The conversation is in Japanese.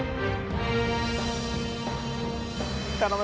頼む。